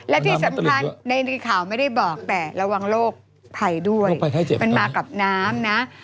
และที่สำคัญในข่าวไม่ได้บอกแต่ระวังโรคภัยด้วยมันมากับน้ำนะ